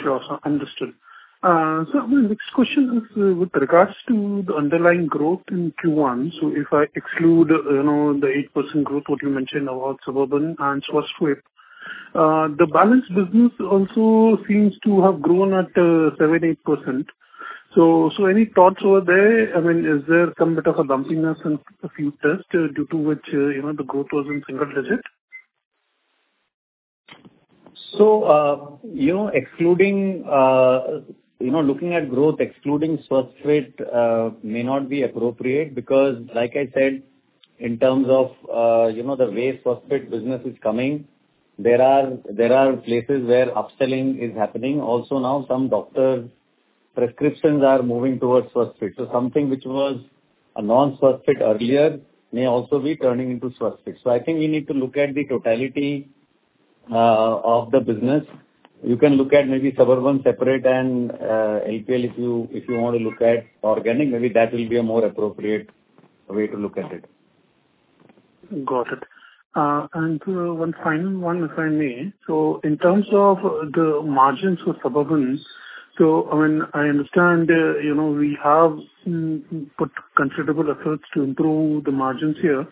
Sure, understood. So my next question is with regards to the underlying growth in Q1. So if I exclude, you know, the 8% growth, what you mentioned about Suburban and Swasthfit, the balance business also seems to have grown at 7-8%. So any thoughts over there? I mean, is there some bit of a bumpiness and a few tests due to which, you know, the growth was in single digit? So, you know, excluding, you know, looking at growth excluding Swasthfit, may not be appropriate because like I said, in terms of, you know, the way Swasthfit business is coming, there are, there are places where upselling is happening. Also now, some doctor prescriptions are moving towards Swasthfit. So something which was a non-Swasthfit earlier may also be turning into Swasthfit. So I think you need to look at the totality, of the business. You can look at maybe Suburban separate and, LPL, if you, if you want to look at organic, maybe that will be a more appropriate way to look at it. Got it. And one final one, if I may. So in terms of the margins for Suburban, so I mean, I understand, you know, we have put considerable efforts to improve the margins here.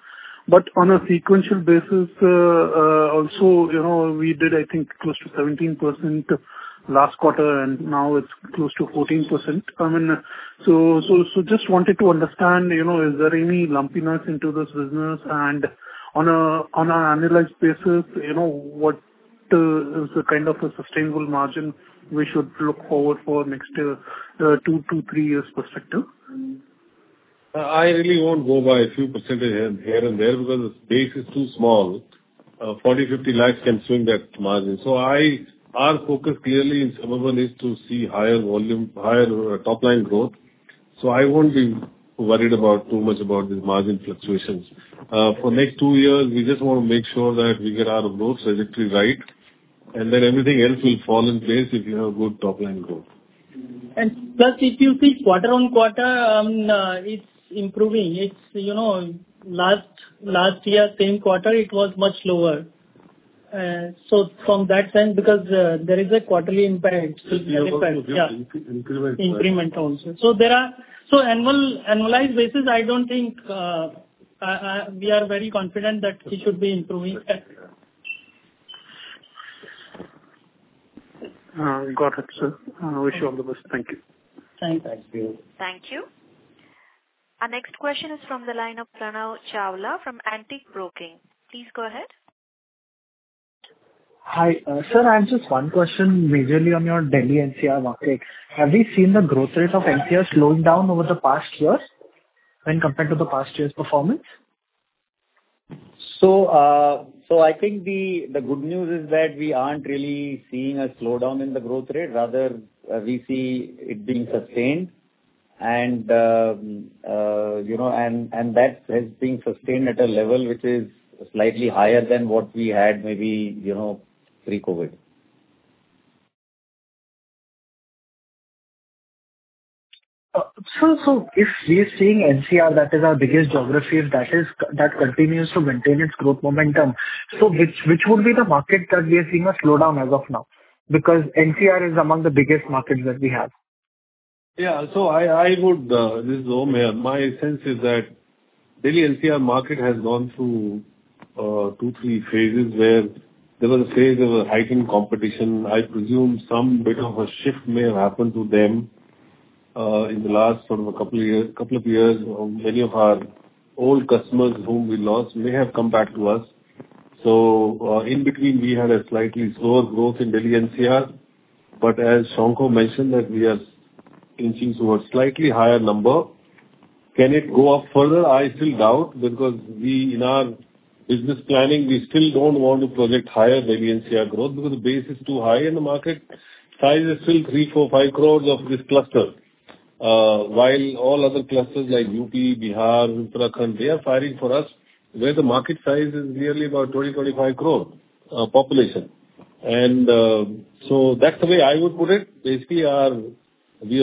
But on a sequential basis, also, you know, we did, I think, close to 17% last quarter, and now it's close to 14%. I mean, so just wanted to understand, you know, is there any lumpiness into this business? And on a, on an annualized basis, you know, what is the kind of a sustainable margin we should look forward for next 2-3 years perspective? I really won't go by a few percentage here, here and there, because the base is too small. 40, 50 lakhs can swing that margin. So I... Our focus clearly in Suburban is to see higher volume, higher top line growth. So I won't be worried about, too much about these margin fluctuations. For next two years, we just want to make sure that we get our growth trajectory right, and then everything else will fall in place if we have a good top line growth. Plus, if you see quarter-on-quarter, it's improving. It's, you know, last, last year, same quarter, it was much lower. So from that sense, because there is a quarterly impact. Yeah. Improvement. Improvement also. So annual, annualized basis, I don't think we are very confident that we should be improving. Got it, sir. Wish you all the best. Thank you. Thank you. Thank you. Thank you. Our next question is from the line of Pranav Chawla from Antique Stock Broking. Please go ahead. Hi. Sir, I have just one question majorly on your Delhi NCR market. Have you seen the growth rate of NCR slowing down over the past years when compared to the past year's performance? So, so I think the good news is that we aren't really seeing a slowdown in the growth rate. Rather, we see it being sustained and, you know, and that has been sustained at a level which is slightly higher than what we had, maybe, you know, pre-COVID. So, if we're seeing NCR, that is our biggest geography, if that is... That continues to maintain its growth momentum, so which would be the market that we are seeing a slowdown as of now? Because NCR is among the biggest markets that we have. Yeah. So I would, this is Om here. My sense is that Delhi NCR market has gone through, two, three phases, where there was a phase of a hiking competition. I presume some bit of a shift may have happened to them, in the last sort of a couple years, couple of years. Many of our old customers whom we lost may have come back to us. So, in between, we had a slightly slower growth in Delhi NCR, but as Shankha mentioned, that we are inching towards slightly higher number. Can it go up further? I still doubt, because we in our business planning, we still don't want to project higher Delhi NCR growth because the base is too high in the market. Size is still 3-5 crore of this cluster. While all other clusters like UP, Bihar, Uttarakhand, they are fighting for us, where the market size is nearly about 20-25 crore population. So that's the way I would put it. Basically, we are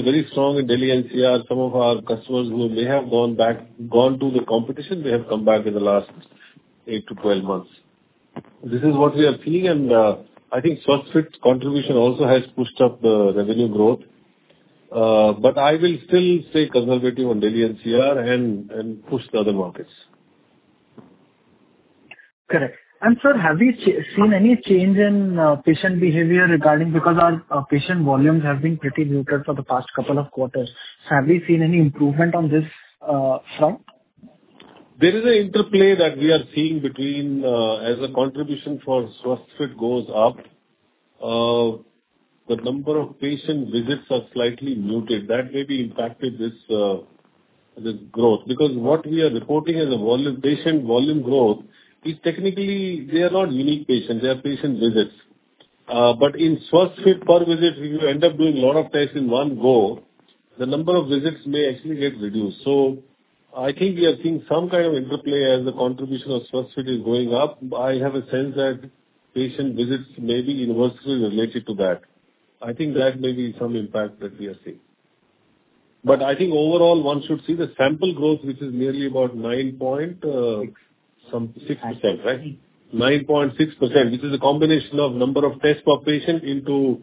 very strong in Delhi NCR. Some of our customers who may have gone back, gone to the competition, they have come back in the last 8-12 months. This is what we are seeing, and I think Swasthfit contribution also has pushed up the revenue growth. But I will still stay conservative on Delhi NCR and push the other markets. Correct. Sir, have you seen any change in patient behavior regarding, because our patient volumes have been pretty muted for the past couple of quarters, have we seen any improvement on this front? There is an interplay that we are seeing between, as a contribution for Swasthfit goes up, the number of patient visits are slightly muted. That maybe impacted this, this growth. Because what we are reporting as a patient volume growth, is technically they are not unique patients, they are patient visits. But in Swasthfit per visit, we end up doing a lot of tests in one go, the number of visits may actually get reduced. So I think we are seeing some kind of interplay as the contribution of Swasthfit is going up. I have a sense that patient visits may be inversely related to that. I think that may be some impact that we are seeing. But I think overall, one should see the sample growth, which is nearly about 9.6%, right? 9.6%, which is a combination of number of test per patient into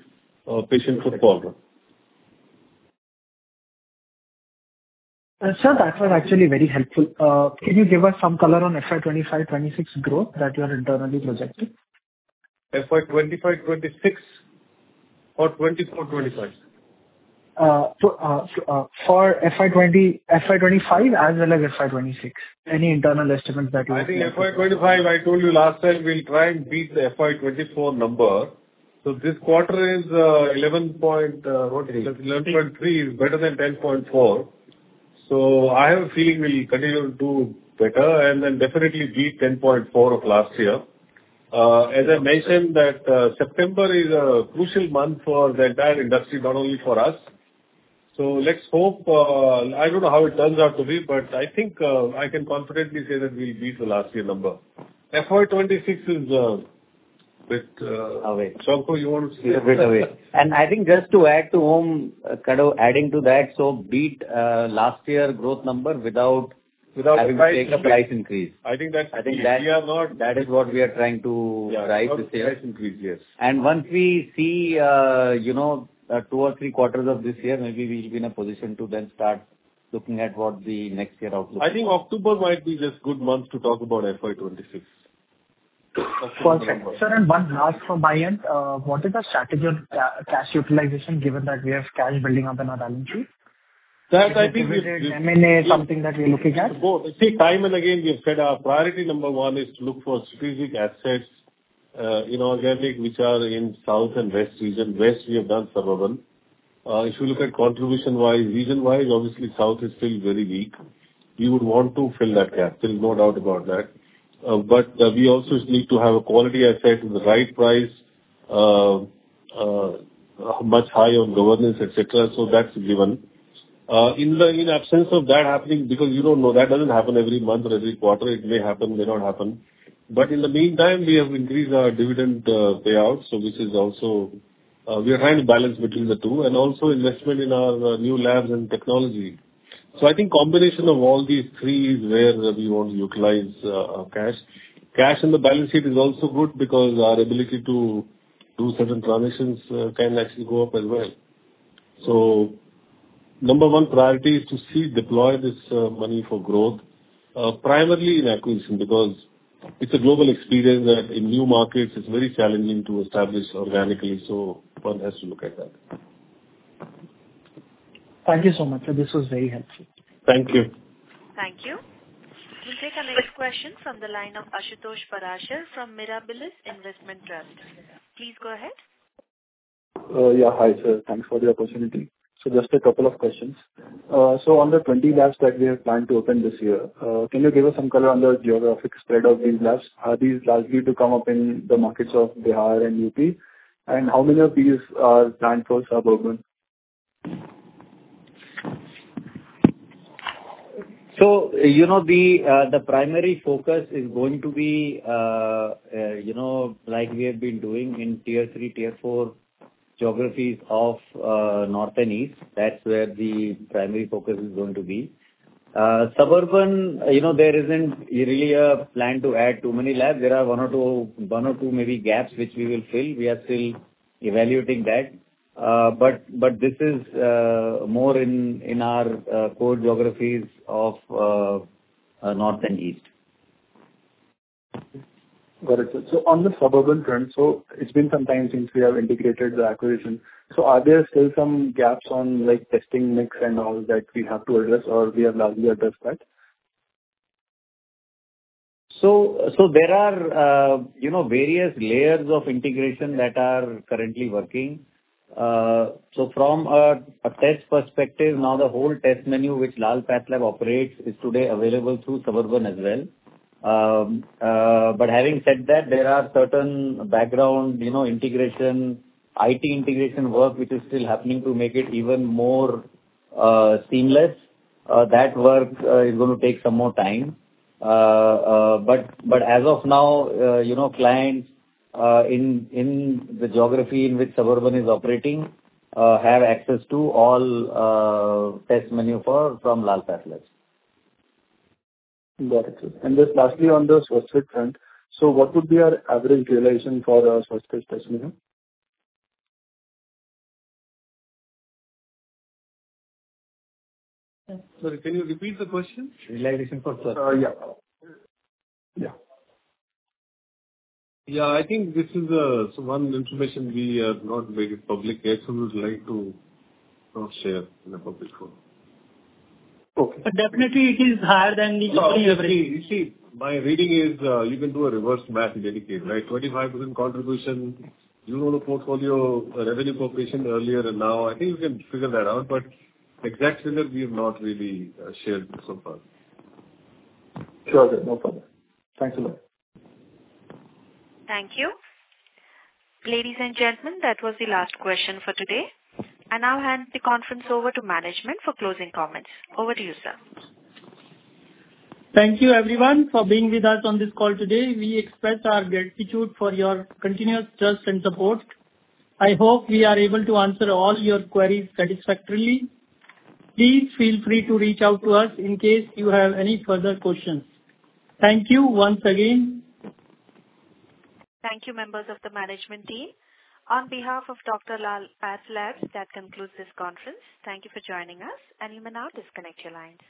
patient footfall. Sir, that was actually very helpful. Can you give us some color on FY 2025, 2026 growth that you are internally projecting? FY 2025, FY 2026, or FY 2024, FY 2025? So, for FY 2025 as well as FY 2026. Any internal estimates that you have? I think FY 2025, I told you last time, we'll try and beat the FY 2024 number. So this quarter is 11.3, what? 11.3 is better than 10.4. So I have a feeling we'll continue to do better and then definitely beat 10.4 of last year. As I mentioned that September is a crucial month for the entire industry, not only for us. So let's hope, I don't know how it turns out to be, but I think I can confidently say that we'll beat the last year number. FY 2026 is bit. Away. Shankha, you want to say? A bit away. I think just to add to Om, kind of adding to that, so beat last year growth number without- Without price - having to take a price increase. I think that's- I think that- We are not- That is what we are trying to drive this year. Yeah, without price increase years. Once we see, you know, two or three quarters of this year, maybe we'll be in a position to then start looking at what the next year outlook. I think October might be this good month to talk about FY 2026. Perfect. Sir, and one last from my end. What is the strategy on cash utilization, given that we have cash building up in our balance sheet? That I think is- Dividends, M&A, something that you're looking at. Both. See, time and again, we have said our priority number one is to look for strategic assets, inorganic, which are in south and west region. West, we have done Suburban. If you look at contribution-wise, region-wise, obviously, south is still very weak. We would want to fill that gap, there's no doubt about that. But, we also need to have a quality asset at the right price, much high on governance, et cetera, so that's given. In the absence of that happening, because you don't know, that doesn't happen every month or every quarter. It may happen, may not happen. But in the meantime, we have increased our dividend payout, so which is also... we are trying to balance between the two, and also investment in our new labs and technology. So I think combination of all these three is where we want to utilize, our cash. Cash in the balance sheet is also good because our ability to do certain transitions, can actually go up as well. So number one priority is to see deploy this, money for growth, primarily in acquisition, because it's a global experience that in new markets it's very challenging to establish organically, so one has to look at that. Thank you so much, sir. This was very helpful. Thank you. Thank you. We'll take our next question from the line of Ashutosh Parashar from Mirabilis Investment Trust. Please go ahead. Yeah, hi, sir. Thanks for the opportunity. So just a couple of questions. So on the 20 labs that we have planned to open this year, can you give us some color on the geographic spread of these labs? Are these likely to come up in the markets of Bihar and UP? And how many of these are planned for Suburban? So, you know, the primary focus is going to be, you know, like we have been doing in Tier 3, Tier 4 geographies of North and East. That's where the primary focus is going to be. Suburban, you know, there isn't really a plan to add too many labs. There are one or two, one or two maybe gaps, which we will fill. We are still evaluating that. But this is more in our core geographies of North and East. Got it. On the Suburban front, so it's been some time since we have integrated the acquisition. Are there still some gaps on, like, testing mix and all that we have to address or we have largely addressed that? So, there are, you know, various layers of integration that are currently working. So from a test perspective, now the whole test menu, which Lal PathLabs operates, is today available through Suburban as well. ... but having said that, there are certain background, you know, integration, IT integration work, which is still happening to make it even more seamless. That work is going to take some more time. But as of now, you know, clients in the geography in which Suburban is operating have access to all test menu from Lal PathLabs. Got it. And just lastly, on the Swasthfit front, so what would be our average realization for our Swasthfit test menu? Sorry, can you repeat the question? Realization for Swasthfit. Yeah. Yeah. Yeah, I think this is one information we have not made it public yet, so we would like to not share in a public forum. Okay. But definitely it is higher than the- You see, my reading is, you can do a reverse math in any case, right? 25% contribution, you know, the portfolio, revenue contribution earlier and now, I think you can figure that out, but exact figure we have not really, shared so far. Sure, sir. No problem. Thanks a lot. Thank you. Ladies and gentlemen, that was the last question for today. I now hand the conference over to management for closing comments. Over to you, sir. Thank you, everyone, for being with us on this call today. We express our gratitude for your continuous trust and support. I hope we are able to answer all your queries satisfactorily. Please feel free to reach out to us in case you have any further questions. Thank you once again. Thank you, members of the management team. On behalf of Dr. Lal PathLabs, that concludes this conference. Thank you for joining us, and you may now disconnect your lines.